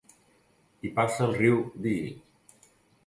Hi passa el riu Dee.